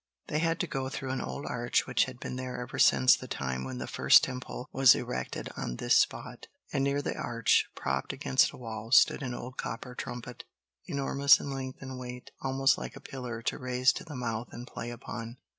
They had to go through an old arch which had been there ever since the time when the first Temple was erected on this spot; and near the arch, propped against a wall, stood an old copper trumpet, enormous in length and weight, almost like a pillar to raise to the mouth and play upon.